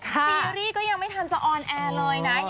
ซีรีส์ก็ยังไม่ทันจะออนแอร์เลยนะ